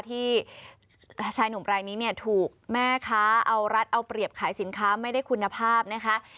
ที่ชายหนุ่มรายนี้เนี่ยถูกแม่ค้าเอารัฐเอาเปรียบขายสินค้าไม่ได้คุณภาพนะคะ